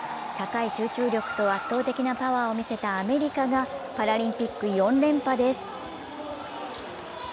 高い集中力と圧倒的なパワーを見せたアメリカがパラリンピック４連覇です。